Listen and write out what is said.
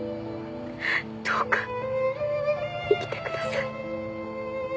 どうか生きてください。